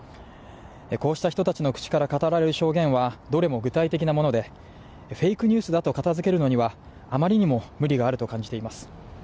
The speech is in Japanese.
こうした人たちの口から語られる証言はどれも具体的なものでフェイクニュースだと片づけるのにはあまりにも無理があると感じています。